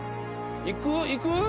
行く行く？